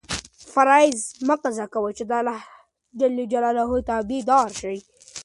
فرایض مه قضا کوه چې د اللهﷻ تابع دار شې.